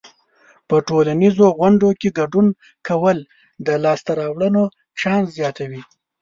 په ټولنیزو غونډو کې ګډون کول د لاسته راوړنو چانس زیاتوي.